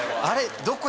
あれ？